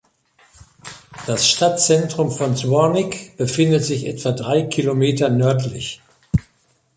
Das Stadtzentrum von Zvornik befindet sich etwa drei Kilometer nördlich.